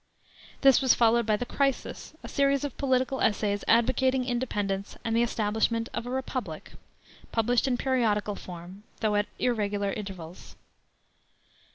This was followed by the Crisis, a series of political essays advocating independence and the establishment of a republic, published in periodical form, though at irregular intervals.